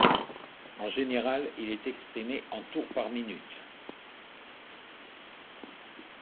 En général, il est exprimé en tours par minute.